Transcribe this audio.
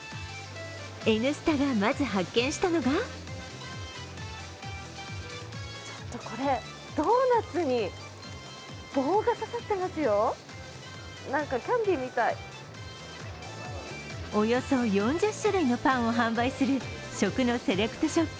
「Ｎスタ」がまず発見したのがおよそ４０種類のパンを販売する食のセレクトショップ